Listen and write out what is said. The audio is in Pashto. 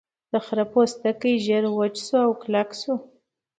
د خرۀ پوستکی ژر وچ شو او کلک شو.